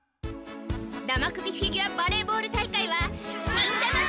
生首フィギュアバレーボール大会は忍たま